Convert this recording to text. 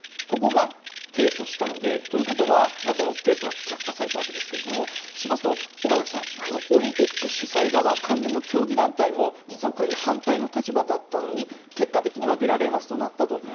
ここが提訴したのでこの提訴は却下されたわけですけどそうしますと、岡崎さんオリンピック主催側関連の競技団体も実はこれに反対の立場だったのに結果的には出られますとなったと。